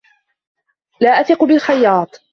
لا أثق بالخياط.